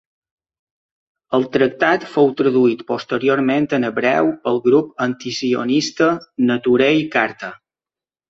El tractat fou traduït posteriorment en hebreu pel grup antisionista Neturei Karta.